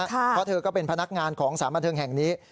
เพราะเธอก็เป็นพนักงานของสารบันเทิงแห่งนี้